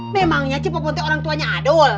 memangnya cepopon teh orang tuanya adul